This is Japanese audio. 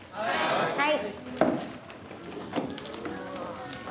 はい！